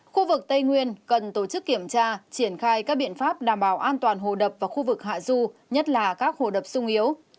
khu vực tây nguyên cần tổ chức kiểm tra triển khai các biện pháp đảm bảo an toàn hồ đập và khu vực hạ du nhất là các hồ đập sung yếu